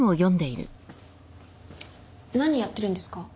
何やってるんですか？